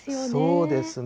そうですね。